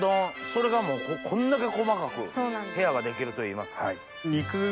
それがこんだけ細かく部屋が出来るといいますか。